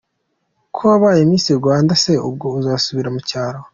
Ko wabaye Miss Rwanda se ubwo uzasubira mu cyaro?.